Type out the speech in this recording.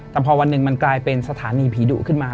แต่พอวันหนึ่งมันกลายเป็นสถานีผีดุขึ้นมา